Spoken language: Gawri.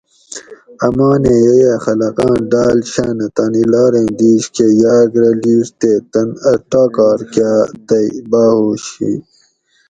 امانیں ییہ خلقاں ڈاۤل شاۤنہ تانی لاریں دِیش کہ یاۤگ رہ لِیڛ تے تن ا ٹاکار کاۤ تئی باۤہوش ہی